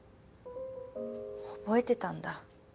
覚えてたんだ。